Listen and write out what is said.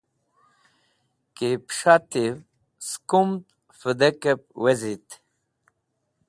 Ki pẽshetiv sẽk kumd vẽdekẽb wezit.